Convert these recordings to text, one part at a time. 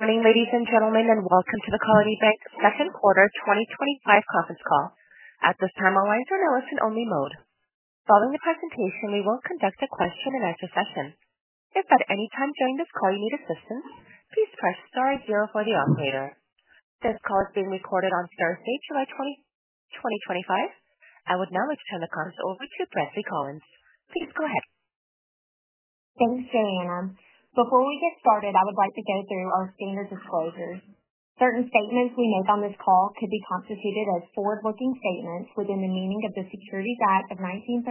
Good morning, ladies and gentlemen, and welcome to the Colony Bankcorp Second Quarter 2025 Conference Call. At this time, our lines are in a listen-only mode. Following the presentation, we will conduct a question-and-answer session. If at any time during this call you need assistance, please press star zero for the operator. This call is being recorded on Thursday, July 20, 2025. I would now like to turn the conference over to Brantley Collins. Please go ahead. Thanks, Joanna. Before we get started, I would like to go through our standard disclosures. Certain statements we note on this call could be constituted as forward-looking statements within the meaning of the Securities Act of 1933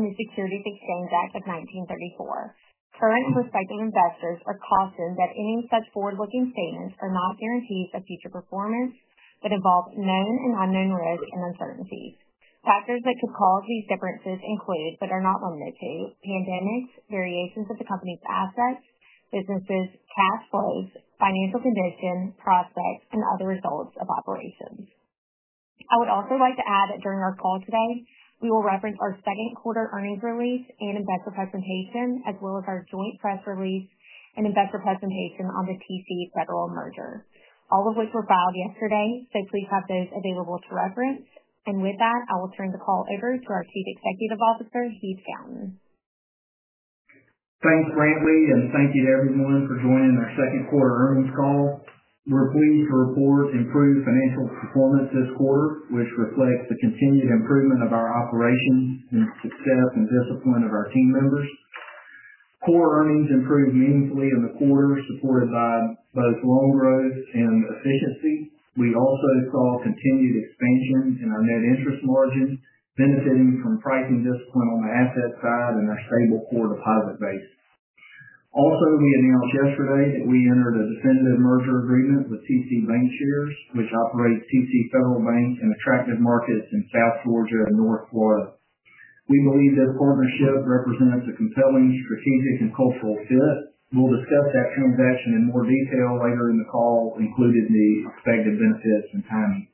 and the Securities Exchange Act of 1934. Current and prospective investors are cautioned that any such forward-looking statements are not guarantees of future performance but involve known and unknown risks and uncertainties. Factors that could cause these differences include, but are not limited to, pandemics, variations of the company's assets, businesses, cash flows, financial condition, prospects, and other results of operations. I would also like to add that during our call today, we will reference our second quarter earnings release and investor presentation, as well as our joint press release and investor presentation on the TC Bancshares merger, all of which were filed yesterday, so please have those available to reference. With that, I will turn the call over to our Chief Executive Officer, Heath Fountain. Thanks, Brantley, and thank you to everyone for joining our second quarter earnings call. We're pleased to report improved financial performance this quarter, which reflects the continued improvement of our operations and the success and discipline of our team members. Our earnings improved meaningfully in the quarter, supported by both loan growth and efficiency. We also saw continued expansion in our net interest margin, benefiting from pricing discipline on the asset side and our stable core deposit base. Also, we announced yesterday that we entered a definitive merger agreement with TC Bancshares, which operates TC Federal Bank in attractive markets in South Georgia and North Florida. We believe this partnership represents a compelling strategic and cultural fit. We'll discuss that transaction in more detail later in the call, including the expected benefits and timing.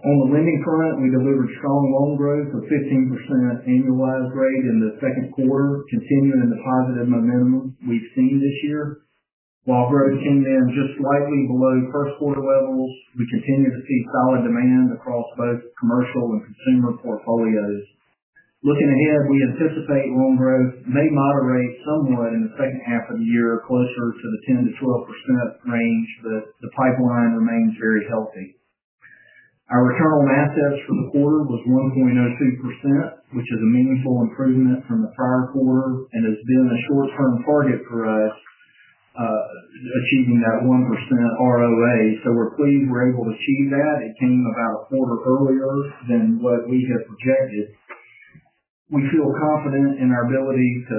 On the lending front, we delivered strong loan growth of 15% annualized rate in the second quarter, continuing the positive momentum we've seen this year. While growth came in just slightly below first quarter levels, we continue to see solid demand across both commercial and consumer portfolios. Looking ahead, we anticipate loan growth may moderate somewhat in the second half of the year, closer to the 10%-12% range, but the pipeline remains very healthy. Our return on assets for the quarter was 1.02%, which is a meaningful improvement from the prior quarter and has been a short-term target for us, achieving that 1% ROA. We're pleased we're able to achieve that. It came about a quarter earlier than what we had projected. We feel confident in our ability to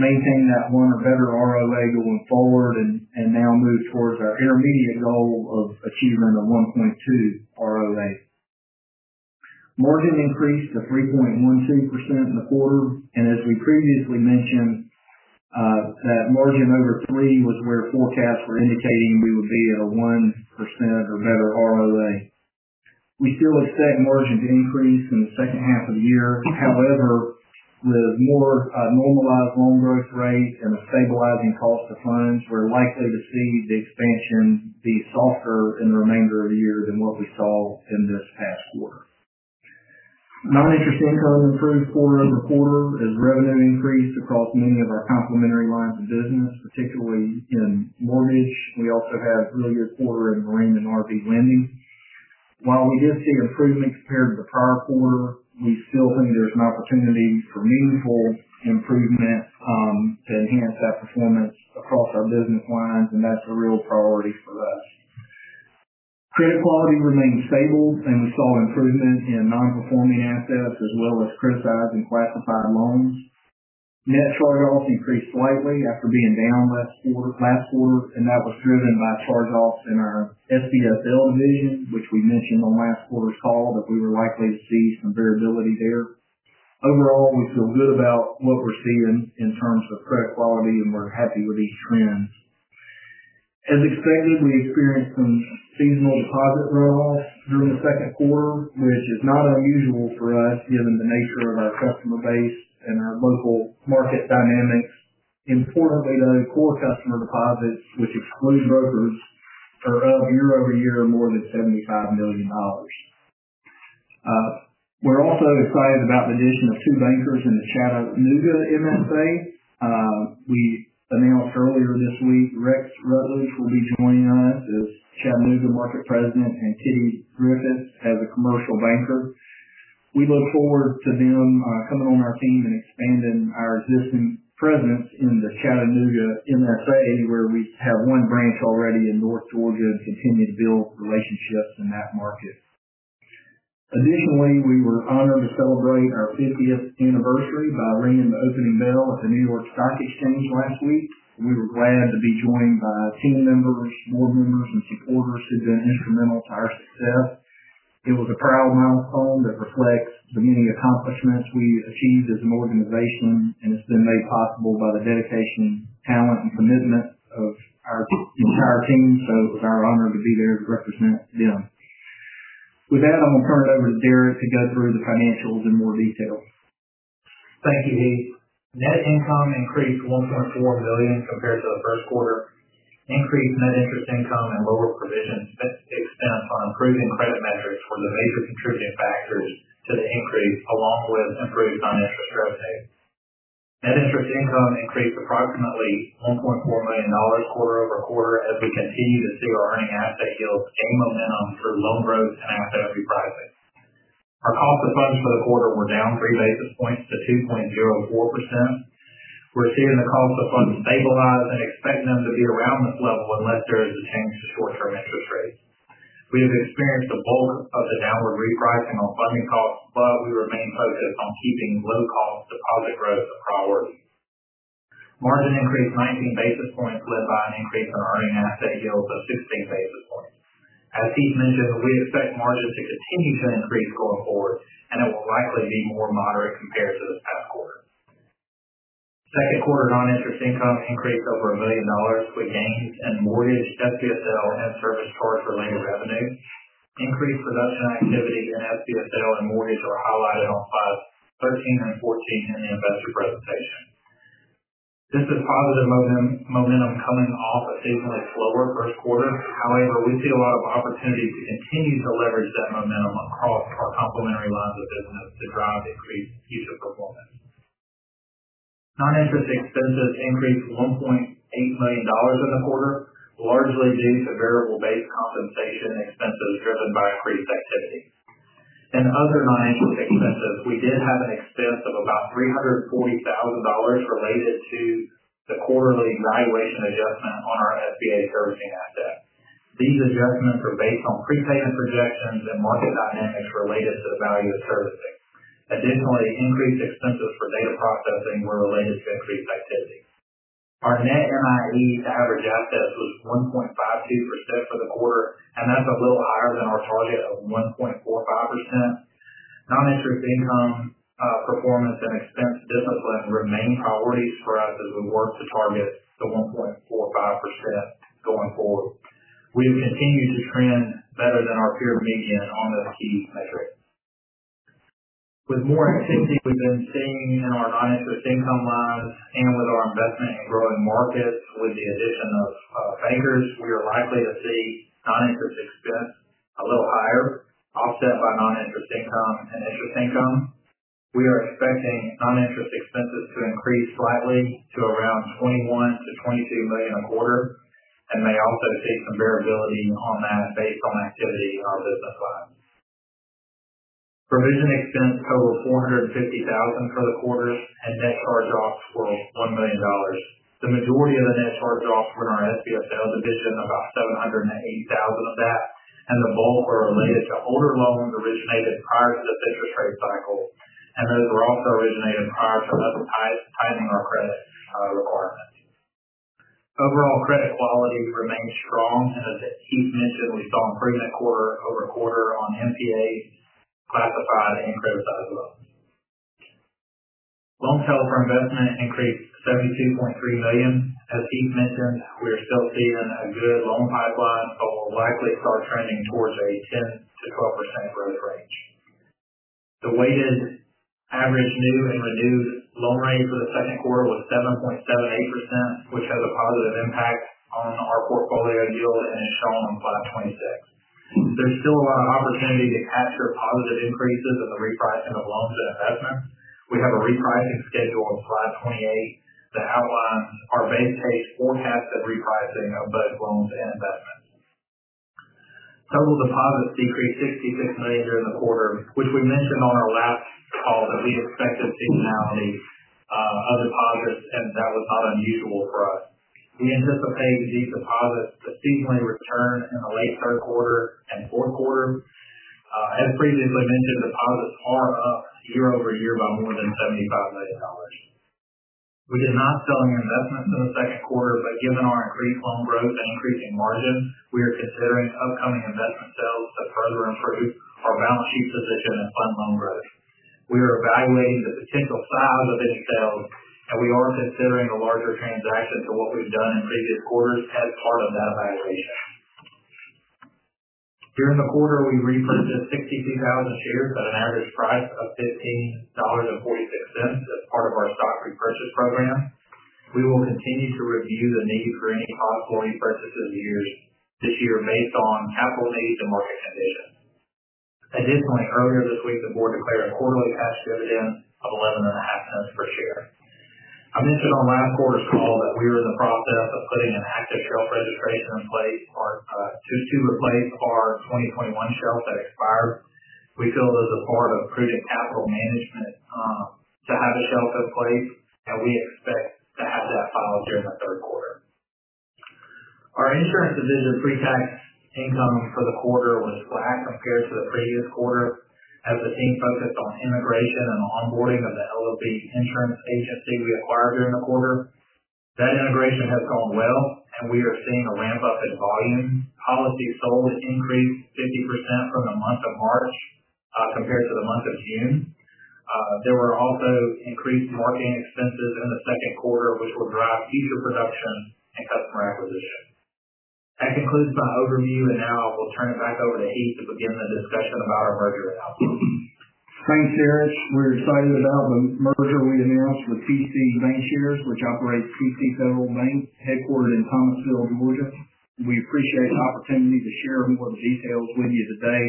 maintain that 1% or better ROA going forward and now move towards our intermediate goal of achievement of 1.2% ROA. Margin increased to 3.12% in the quarter, and as we previously mentioned, that margin over 3% was where forecasts were indicating we would be a 1% or better ROA. We expect margin to increase in the second half of the year. However, with more normalized loan growth rate and a stabilizing cost of funds, we're likely to see the expansion be softer in the remainder of the year than what we saw in this past quarter. Non-interest income has improved quarter-over-quarter as revenue increased across many of our complementary lines of business, particularly in mortgage. We also had a really good quarter in marine and RV lending. While we did see improvements compared to the prior quarter, we still think there's an opportunity for meaningful improvements to enhance that performance across our business lines, and that's a real priority for us. Credit quality remains stable, and we saw improvement in non-performing assets as well as criticized and classified loans. Net charge-offs increased slightly after being down last quarter, and that was driven by charge-offs in our SDSL division, which we mentioned on last quarter's call that we were likely to see some variability there. Overall, we feel good about what we're seeing in terms of credit quality, and we're happy with these trends. As expected, we experienced some seasonal deposit runoff during the second quarter, which is not unusual for us given the nature of our customer base and our local market dynamics. In Florida, the core customer deposits, which exclude brokers, are up year-over-year more than $75 million. We're also excited about the addition of two bankers in the Chattanooga market. We announced earlier this week Rex Rutledge will be joining us as Chattanooga Market President and Teddy Griffiths as a Commercial Banker. We look forward to them coming on our team and expanding our existing presence in the Chattanooga market where we have one branch already in North Georgia and continue to build relationships in that market. Additionally, we were honored to celebrate our 50th anniversary by ringing the opening bell at the New York Stock Exchange last week. We were glad to be joined by team members, board members, and supporters who've been instrumental to our success. It was a proud milestone that reflects the many accomplishments we achieved as an organization, and it's been made possible by the dedication, talent, and commitment of our entire team. It was our honor to be there to represent them. With that, I'm going to turn it over to Derek to go through the financials in more detail. Thank you, Heath. Net income increased to $1.4 million compared to the first quarter. Increased net interest income and lower provision expenses have proven to play the metrics from the major contributing factors to the increase along with improved financial preparedness. Net interest income increased approximately $1.4 million quarter-over-quarter as we continue to see our earning asset yields gain momentum through loan growth and our therapy projects. Our cost of funds for the quarter were down three basis points to 2.04%. We're seeing the cost of funds stabilize and expect them to be around this level unless there is a significant source of interest rate. We've experienced a bulk of the downward repricing on funding costs, but we remain focused on keeping low-cost deposit growth a priority. Margin increased 19 basis points led by an increase in our earning asset yields of 16 basis points. As Heath mentioned, we expect margins to continue to increase going forward, and it will likely be more moderate compared to the second quarter. Non-interest incomes increased over $1 million for gains and mortgage, SDSL, and service charge-related revenue. Increased production activity in SDSL and mortgage were highlighted on files 13 and 14 in the investor presentation. This is positive momentum coming off a seasonally slower first quarter. However, we see a lot of opportunities to continue to leverage that momentum across our complementary lines of business to drive increased user performance. Non-interest expenses increased $1.8 million in the quarter, largely due to variable-based compensation expenses driven by freight activity. In other non-interest expenses, we did have an expense of about $340,000 related to the quarterly valuation adjustment on our SBA servicing assets. These adjustments were based on prepayment projections and market dynamics related to the value of the services. Additionally, increased expenses for data processing were related to increased activity. Our net NIE to average assets was 1.52% for the quarter, and that's a little higher than our target of 1.45%. Non-interest income, performance, and expense discipline remain priorities for us as we work to target the 1.45% going forward. We have continued to trend better than our peer region on those key metrics. With more activity presenting in our non-interest income lines and with our investments growing markets, with the addition of bankers, we are likely to see non-interest expenses a little higher, offset by non-interest income. We are expecting non-interest expenses to increase slightly to around $21 million-$22 million a quarter and may also see some variability on that based on activity in our business lines. Provision expense totaled $450,000 for the quarter and net charge-offs were $1 million. The majority of the net charge-offs were in our SDSL, the distant about $780,000 of that, and the bulk were related to older loans originated prior to the fiscal trade cycle. Those were also originated prior to level ties depending on our credit requirements. Overall, credit quality remains strong and as Heath mentioned, we saw improvement quarter over quarter on NPAs, classified, and criticized loans. Loan helper investment increased $72.3 million. As Heath mentioned, we are still seeing a good loan pipeline that will likely start trending towards an expense to 12% growth rate. The weighted average new and renewed loan rate for the second quarter was 7.78%, which has a positive impact on our portfolio yield and shown on slide 26. There is still an opportunity to capture positive increases in the repricing of loans and investments. We have a repricing schedule on slide 28 to outline our base case forecast of repricing of both loans and investments. Total deposits decreased $66 million during the quarter, which we mentioned on our last call that we expected seasonality of deposits, and that was not unusual for us. We anticipate reduced deposits to seasonally return in the late third quarter and fourth quarter. As previously mentioned, the deposits are up year over year by more than 75 basis points. We did have strong investments in the second quarter, but given our increased loan growth and increasing margins, we are considering upcoming investment sales to further improve our balance sheet position and fund loan growth. We are evaluating the potential size of these sales, and we are considering a larger transaction to what we've done in previous quarters as part of that evaluation. During the quarter, we repurchased 62,000 shares at an average price of $15.46 as part of our stock repurchase program. We will continue to review the need for repurchases this year based on capital needs and market conditions. Additionally, earlier this week, the board declared a quarterly cash dividend of $0.115 per share. I mentioned on last quarter's call that we are in the process of putting an asset shelf registration in place for our 2021 shelf that expires. We feel that as a part of prudent capital management, to have a shelf in place, and we expect to have that final in the third quarter. Our insurance division pre-tax income for the quarter was flat compared to the previous quarter as the team focused on integration and onboarding of the LLC insurance agency we acquired during the quarter. That integration has gone well. We are seeing a ramp-up in volume. Policies sold increased 50% from the month of March compared to the month of June. There were also increased marketing expenses in the second quarter, which will drive user production and customer acquisition. That concludes my overview, and now I will turn it back over to Heath to begin the discussion about our merger and outcome. Thanks, Dereck. We're excited about the merger we announced with TC Bancshares, which operates TC Federal Bank, headquartered in Thomasville, Georgia. We appreciate the opportunity to share more details with you today.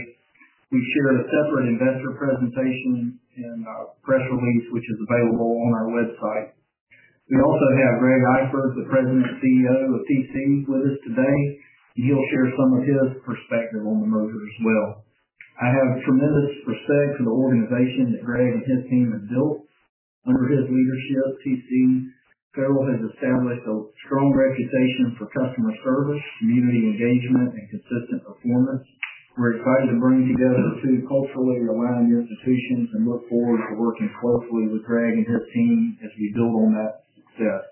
We shared a separate investor presentation and press release, which is available on our website. We also have Greg Eifert, the President and CEO of TC, with us today, and he'll share some of his perspective on the merger as well. I have tremendous respect for the organization that Greg and his team have built. Under his leadership, TC Federal has established a strong reputation for customer service, community engagement, and consistent performance. We're excited to bring together two culturally aligned institutions and look forward to working closely with Greg and his team as we build on that success.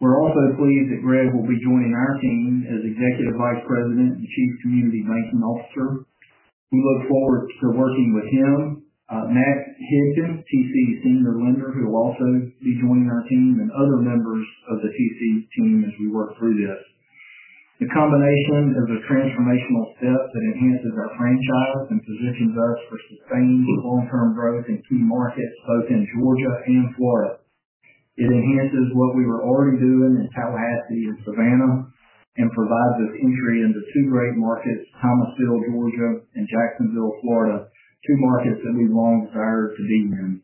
We're also pleased that Greg will be joining our team as Executive Vice President and Chief Community Banking Officer. We look forward to working with him, Matt Hitchens, TC's Senior Lender, who will also be joining our team, and other members of TC's team as we work through this. The combination is a transformational step that enhances our franchise and positions us to sustain long-term growth in key markets, both in Georgia and Florida. It enhances what we were already doing in Tallahassee and Savannah and provides us entry into two great markets: Thomasville, Georgia, and Jacksonville, Florida, two markets that we've long desired to be in.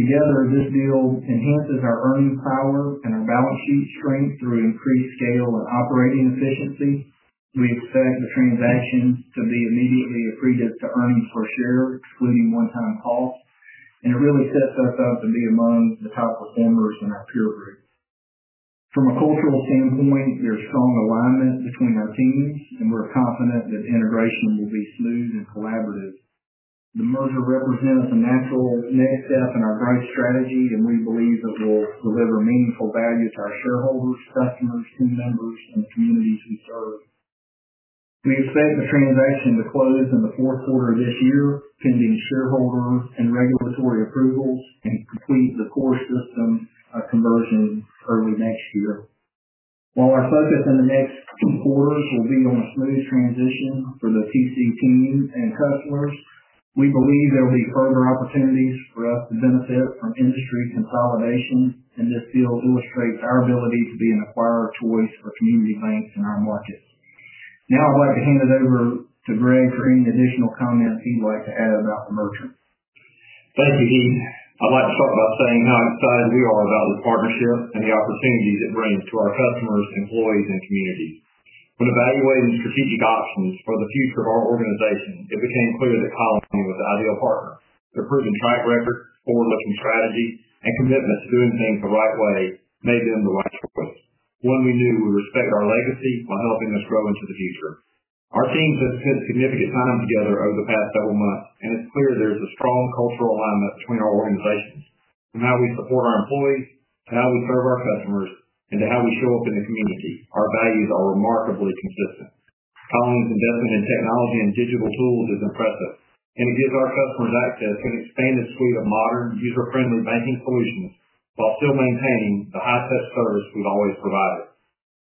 Together, this deal enhances our earning power and our balance sheet strength through increased scale and operating efficiency. We expect the transaction to be immediately accretive to earnings for sure, excluding one-time costs, and it really sets us up to be among the top performers in our peer group. From a cultural standpoint, there's strong alignment between our teams, and we're confident that integration will be smooth and collaborative. The merger represents a natural next step in our growth strategy, and we believe it will deliver meaningful value to our shareholders, customers, team members, and communities we serve. We expect the transaction to close in the fourth quarter of this year, pending shareholder and regulatory approvals, and complete the core system conversion early next year. While our focus in the next two quarters will be on a smooth transition for the TC team and customers, we believe there will be further opportunities for us to benefit from industry consolidation, and this deal illustrates our ability to be an acquirer of choice for community banks in our markets. Now I'd like to hand it over to Greg for any additional comments he'd like to add about the merger. Thank you, Heath. I'd like to start by saying how excited we are about the partnership and the opportunities it brings to our customers, employees, and communities. When evaluating strategic options for the future of our organization, it became clear that Colony was the ideal partner. Their proven track record, forward-looking strategy, and commitment to doing things the right way made them the right choice, one we knew would respect our legacy while helping us grow into the future. Our team has spent significant time together over the past several months, and it's clear there's a strong cultural alignment between our organizations and how we support our employees, how we serve our customers, and how we show up in the community. Our values are remarkably consistent. Colony's development in technology and digital tools is impressive, and it gives our customers access to an extended suite of modern, user-friendly banking solutions while still maintaining the high-touch service we've always provided.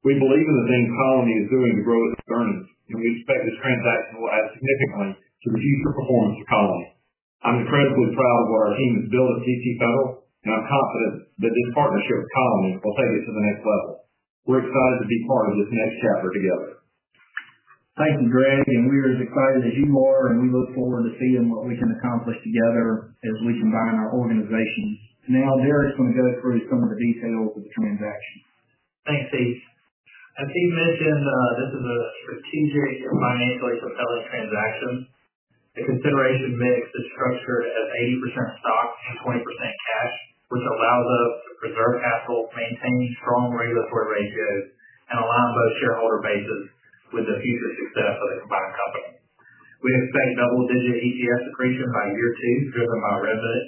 We believe in the things Colony is doing to grow its earnings, and we expect this transaction will add significantly to the future performance of Colony. I'm incredibly proud of what our team has built at TC Federal Bank, and I'm confident that this partnership with Colony will take us to the next level. We're excited to be part of this next chapter together. Thank you, Greg. We are as excited as you are, and we look forward to seeing what we can accomplish together as we combine our organizations. Now, Derek is going to go through some of the details of the transaction. Thanks, Heath. As Heath mentioned, this is a strategic and financially compelling transaction. The consideration makes the structure at 80% stock and 20% cash, which allows us to preserve assets, maintain strong regulatory ratios, and align both shareholder bases with the future success of the combined company. We expect double-digit EPS accretion by year two, driven by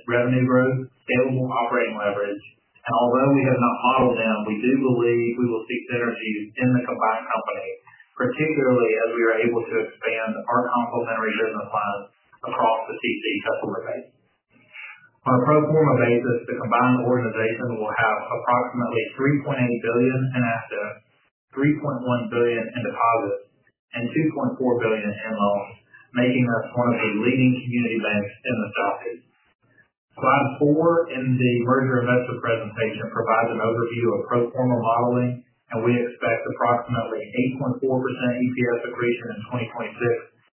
revenue growth and scalable operating leverage. Although we have not modeled them, we do believe we will see synergies in the combined company, particularly as we are able to expand our complementary business lines across the TC customer base. On a pro forma basis, the combined organization will have approximately $3.8 billion in assets, $3.1 billion in deposits, and $2.4 billion in loans, making our partnership the leading community bank in the Southeast. Slide four in the merger investor presentation provides an overview of pro forma modeling, and we expect approximately 8.4% EPS accretion in 2026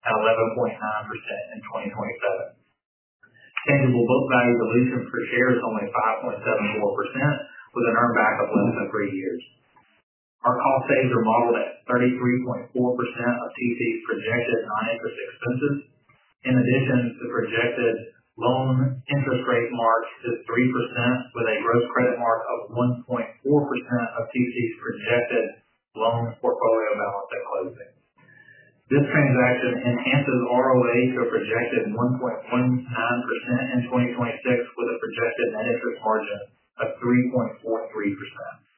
and 11.9% in 2027. Tangible book value dilution for shares is only 5.74%, with an earnback lens of three years. Our cost savings are modeled at 33.4% of TC's projected non-interest expenses. In addition, the projected loan interest rate marks just 3%, with a gross credit mark of 1.4% of TC's projected loan portfolio balance and leasing. This transaction enhances return on assets to a projected 1.19% in 2026, with a projected net interest margin of 3.43%.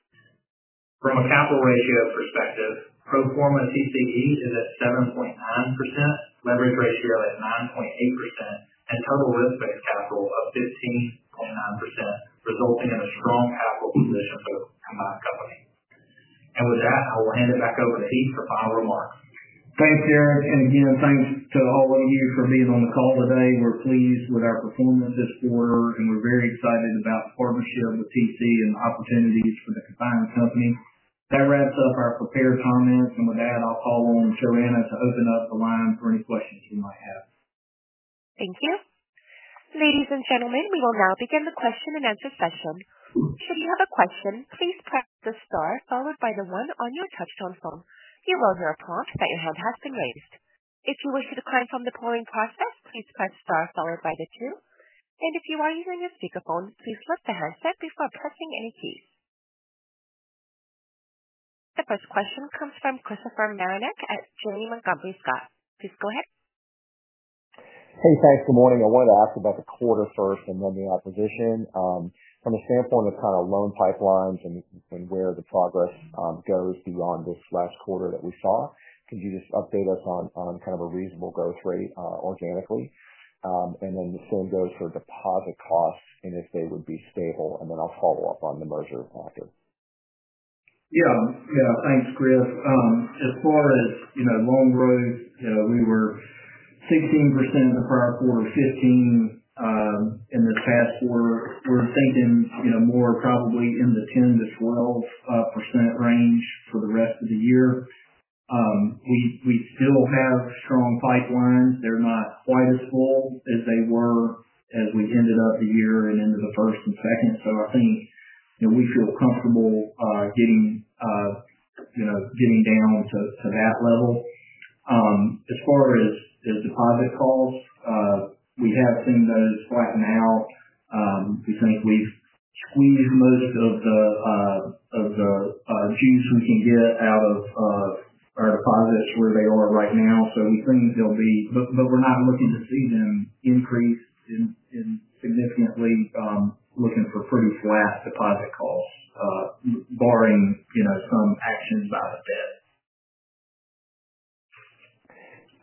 From a capital ratio perspective, pro forma TCE is at 7.9%, leverage ratio at 9.8%, and total risk-based capital of 15.9%, resulting in a strong capital ecosystem for the combined company. I will hand it back over to Heath for final remarks. Thanks, Derek. Thanks to all of you for being on the call today. We're pleased with our performance this quarter, and we're very excited about the partnership with TC and the opportunities for the combined company. That wraps up our prepared comments. With that, I'll call on Shannon to open up the line for any questions you might have. Thank you. Ladies and gentlemen, we will now begin the question-and-answer session. Should you have a question, please press the star followed by the one on your touch-tone phone. You will hear a pause that your hand has been raised. If you wish to decline from the polling process, please press star followed by the two. If you are using a speaker phone, please lift your headset before pressing any keys. The first question comes from Christopher Marinac at Janney Montgomery. Please go ahead. Hey, thanks. Good morning. I wanted to ask about the quarter first and then the acquisition. From the standpoint of kind of loan pipelines and where the progress goes beyond this last quarter that we saw, could you just update us on kind of a reasonable growth rate, organically? The same goes for deposit costs and if they would be stable. I'll follow up on the merger after. Yeah. Thanks, Chris. As far as, you know, loan growth, we were 16% in the prior quarter, 15% in the past quarter. We're thinking, you know, more probably in the 10%-12% range for the rest of the year. We still have strong pipelines. They're not quite as full as they were as we ended up the year and into the first and second. I think, you know, we feel comfortable getting down to that level. As far as deposit costs, we have seen those flatten out. We think we've squeezed most of the juice we can get out of our deposits where they are right now. We think they'll be flat, but we're not looking to see them increase significantly, looking for pretty flat deposit costs, barring, you know, some action design.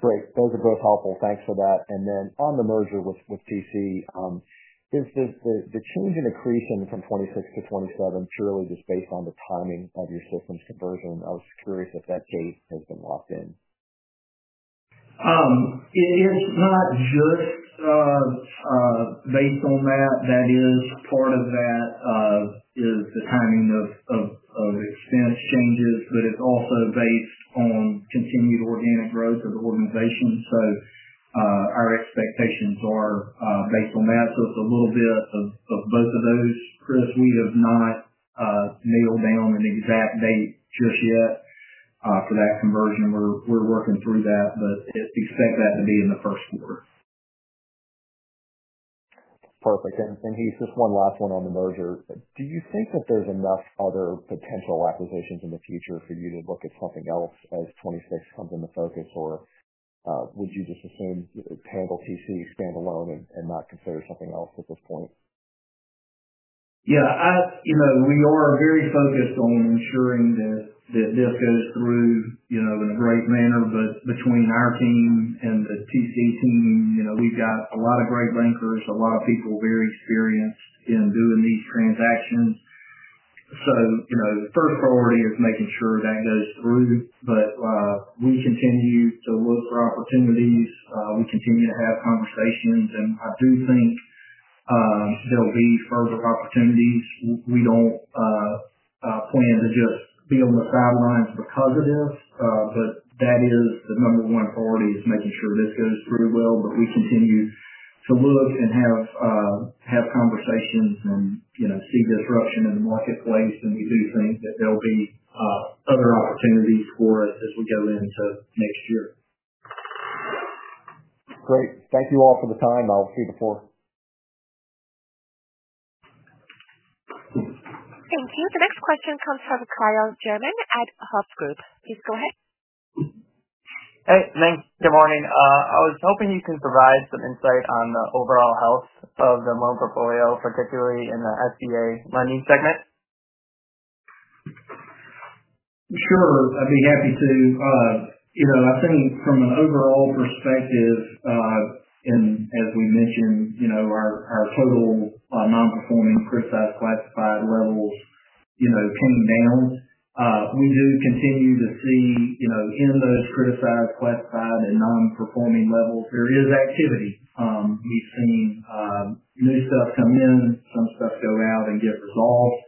Great. Those are both helpful. Thanks for that. On the merger with TC, is the change in accretion from 2026 to 2027 purely just based on the timing of the assistance conversion? I was curious if that date has been locked in. It's not just based on that. That is part of that, the timing of expense changes, but it's also based on continued organic growth of the organization. Our expectations are based on that. It's a little bit of both of those, Chris. We have not nailed down an exact date just yet for that conversion. We're working through that, but expect that to be in the first quarter. Perfect. Heath, just one last one on the merger. Do you think that there's enough other potential acquisitions in the future for you to look at something else as 2026 comes into focus, or would you just assume you could handle TC standalone and not consider something else at this point? Yeah, we are very focused on ensuring that this goes through in a great manner. Between our team and the TC team, we've got a lot of great bankers, a lot of people very experienced in doing these transactions. The first priority is making sure that goes through. We continue to look for opportunities, we continue to have conversations, and I do think there'll be further opportunities. We don't plan to just be on the sidelines because of this. That is the number one priority, making sure this goes through well, but we continue to look and have conversations and see disruption in the marketplace. We do think that there'll be other opportunities for us as we go into next year. Great. Thank you all for the time. I'll see you before. Thank you. The next question comes from Kyle German at Huff Group. Please go ahead. Hey, thanks. Good morning. I was hoping you can provide some insight on the overall health of the loan portfolio, particularly in the SBA lending segment. Sure. I'd be happy to. I think from an overall perspective, and as we mentioned, our total non-performing, criticized, classified levels came down. We do continue to see, in those criticized, classified, and non-performing levels, there is activity. We've seen new stuff come in, some stuff go out and get resolved.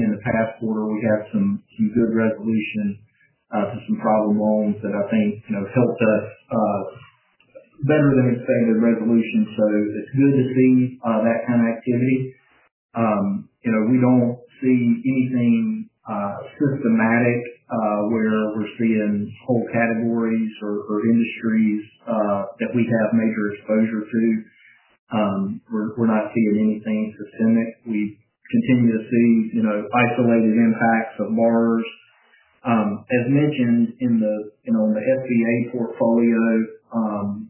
In the past quarter, we've had some good resolution to some problem loans that I think helped us, better than expanded resolution. It's good to see that kind of activity. We don't see anything systematic where we're seeing whole categories or industries that we'd have major exposure to. We're not seeing anything systemic. We continue to see isolated impacts of bars. As mentioned in the, on the SBA portfolio,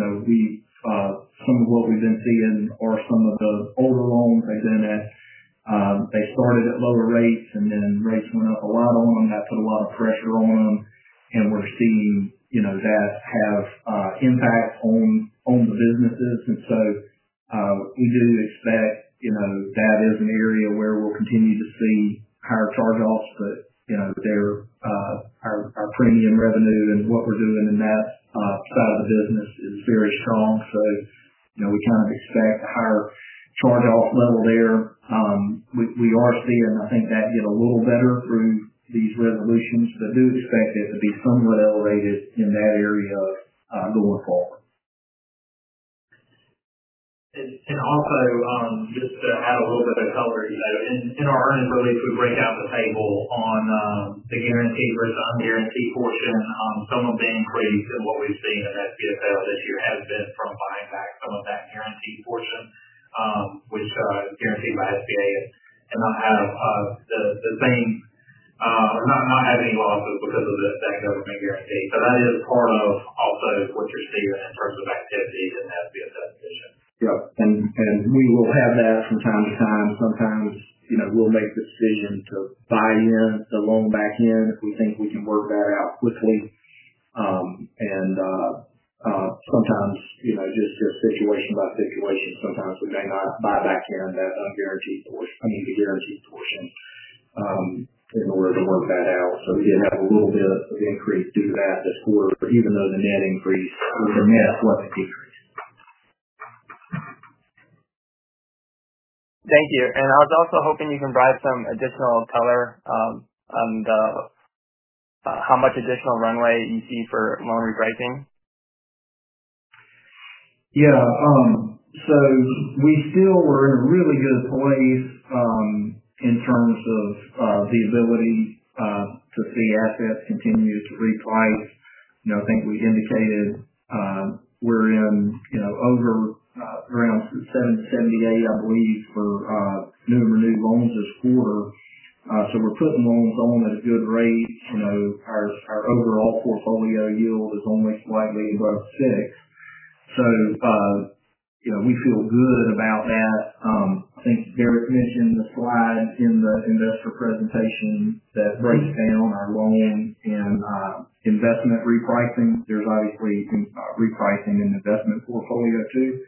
some of what we've been seeing are some of the older loans. They started at lower rates, and then rates went up a lot on them. That put a lot of pressure on them. We're seeing that have impact on the businesses. We do expect that is an area where we'll continue to see higher charge-offs, but our premium revenue and what we're doing in that side of the business is very strong. We kind of expect a higher charge-off level there. We are seeing, I think, that get a little better through these resolutions, but do expect it to be somewhat elevated in that area going forward. Also, just to add a little bit of color, in our earnings release, we break out the table on the guaranteed versus un-guaranteed portion. Some have been increased and what we've seen is your assets from buying that guaranteed portion, which is guaranteed by SBA, and not had the same, or not had any losses because of the second opportunity. That is part of also what you see in terms of that guaranteed from SBA. Yep. We will have that from time to time. Sometimes, you know, we'll make the decision to buy in a loan back in if we think we can work that out quickly. Sometimes, you know, this is situation by situation. Sometimes we may not buy back in that un-guaranteed portion, in order to work that out. We did have a little bit of an increase due to that this quarter, but even though the net increase, the net wasn't increased. Thank you. I was also hoping you can provide some additional color on how much additional runway you see for loan regression. Yeah, we still were in a really good place in terms of the ability to see assets continue to reprice. I think we indicated we're in over, around 70-78, I believe, for new and renewed loans this quarter. We're putting loans on at a good rate. Our overall portfolio yield is only slightly above 6%. We feel good about that. I think Derek mentioned the slide in the investor presentation that breaks down our loan and investment repricing. There's obviously some repricing in the investment portfolio too.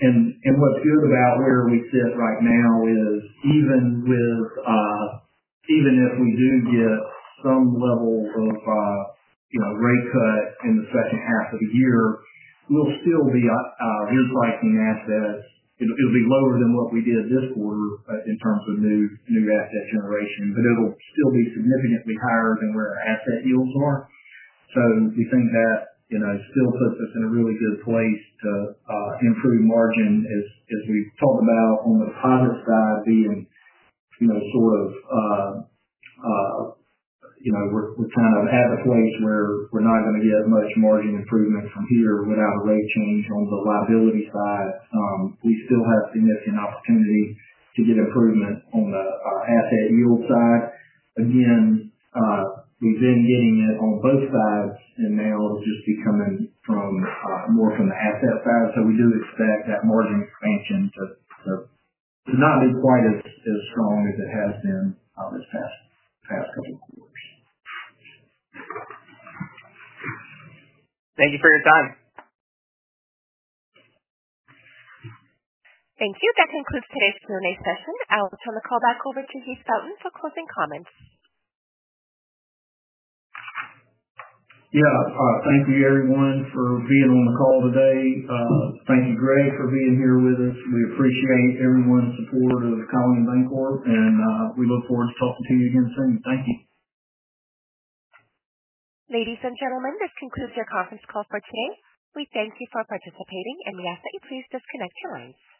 What's good about where we sit right now is even if we do get some level of rate cut in the second half of the year, we'll still be repricing assets. It'll be lower than what we did this quarter in terms of new asset generation, but it'll still be significantly higher than where our asset yields are. We think that still puts us in a really good place to improve margin as we've talked about on the deposit side being growth. We're trying to have a place where we're not going to get much margin improvements from here without a rate change on the liability side. We still have significant opportunity to get improvement in the asset yield side. Again, we've been getting it on both sides, and now it'll just be coming more from the asset side. We do expect that margin expansion, but not at a point as strong as it has been. Thank you for your time. Thank you. That concludes today's Q&A session. I'll turn the call back over to Heath Fountain for closing comments. Yeah, thank you, everyone, for being on the call today. Thank you, Greg, for being here with us. We appreciate everyone's support of Colony Bankcorp, and we look forward to talking to you again soon. Thank you. Ladies and gentlemen, this concludes your conference call for today. We thank you for participating, and we ask you please disconnect your lines.